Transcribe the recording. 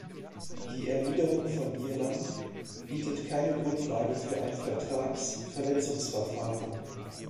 Die Erwiderung von Irland bietet keine Grundlage für ein Vertragsverletzungsverfahren.